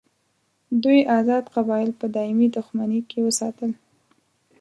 دوی آزاد قبایل په دایمي دښمني کې وساتل.